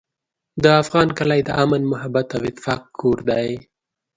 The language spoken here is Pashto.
د افغان کلی د امن، محبت او اتفاق کور دی.